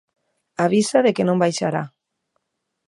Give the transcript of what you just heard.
Avisa de que non baixará.